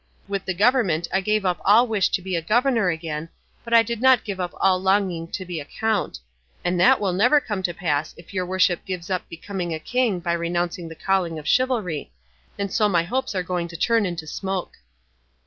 With the government I gave up all wish to be a governor again, but I did not give up all longing to be a count; and that will never come to pass if your worship gives up becoming a king by renouncing the calling of chivalry; and so my hopes are going to turn into smoke."